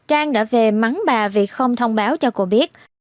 trang đã về mắng bà vì không thông báo cho cô biết